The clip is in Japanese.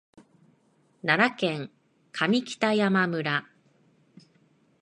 奈良県上北山村